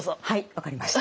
分かりました。